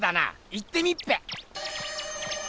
行ってみっぺ！